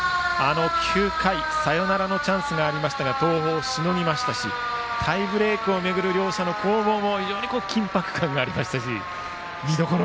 ９回にはサヨナラのチャンスがありましたが東邦、しのぎましたしタイブレークをめぐる両者の攻防も緊迫感がありましたし見どころ